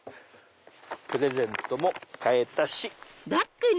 プレゼントも買えたし。